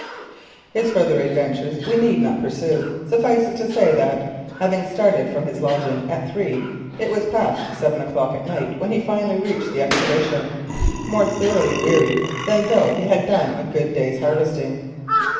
His further adventures we need not pursue; suffice it to say that, having started from his lodging at three, it was past seven o'clock at night when he finally reached the Exhibition, more thoroughly wearied than though he had done a good day's harvesting.